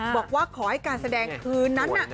บอกว่าขอให้การแสดงคืนนั้น